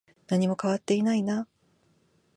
何も変わっていないな。